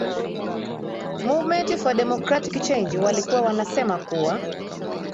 movement for democratic change walikuwa wanasema kuwa